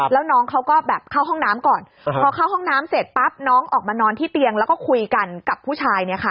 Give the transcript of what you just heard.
แล้วน้องเขาก็แบบเข้าห้องน้ำก่อนพอเข้าห้องน้ำเสร็จปั๊บน้องออกมานอนที่เตียงแล้วก็คุยกันกับผู้ชายเนี่ยค่ะ